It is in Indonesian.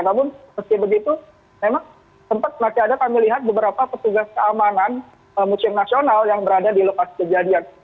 namun meski begitu memang sempat masih ada kami lihat beberapa petugas keamanan museum nasional yang berada di lokasi kejadian